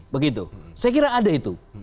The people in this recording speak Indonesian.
begitu saya kira ada itu